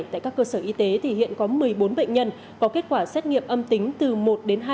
tại các cơ sở y tế thì hiện có một mươi bốn bệnh nhân có kết quả xét nghiệm âm tính